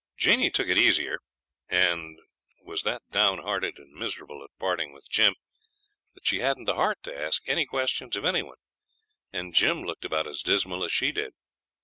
Jeanie took it easier, and was that down hearted and miserable at parting with Jim that she hadn't the heart to ask any questions of any one, and Jim looked about as dismal as she did.